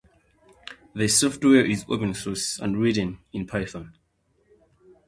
The software is open source, and written in Python.